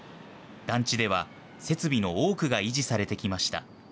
団地では設備の多くが維持されてきました。